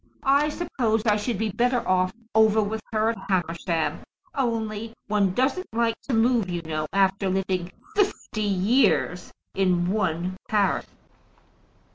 I suppose I should be better off over with her at Hamersham, only one doesn't like to move, you know, after living fifty years in one parish."